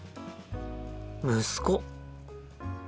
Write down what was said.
息子。